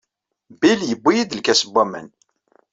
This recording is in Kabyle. Bill yuwey-iyi-d lkas n waman.